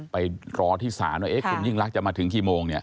ไปรอที่ศาลว่าคุณยิ่งรักจะมาถึงกี่โมงเนี่ย